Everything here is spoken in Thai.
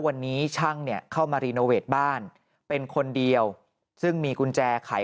วันนี้ชั่งเนี่ยเข้ามาบ้านเป็นคนเดียวซึ่งมีกุญแจไข